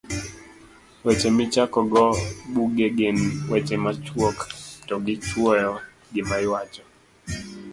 Weche Michakogo Buge gin weche machuok to gichuoyo gima iwacho